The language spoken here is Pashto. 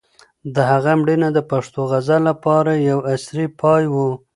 د هغه مړینه د پښتو غزل لپاره د یو عصر پای و.